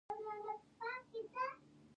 موږ چي شعر لیکو له طبیعت څخه تقلید کوو.